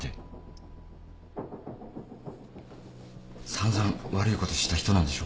散々悪いことした人なんでしょ？